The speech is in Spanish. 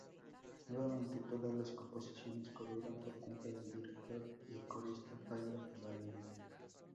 Nuevamente todas las composiciones corrieron por cuenta del director y corista Jairo Varela.